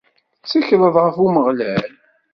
Tteklet ɣef Umeɣlal.